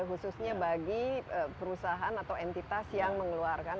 khususnya bagi perusahaan atau entitas yang mengeluarkan